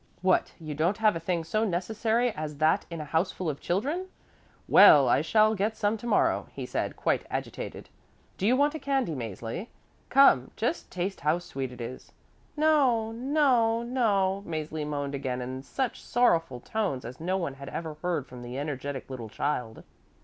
"What, you don't have a thing so necessary as that in a house full of children! Well, I shall get some to morrow," he said, quite agitated. "Do you want a candy, Mäzli? Come, just taste how sweet it is." "No, no, no," Mäzli moaned again in such sorrowful tones as no one had ever heard from the energetic little child.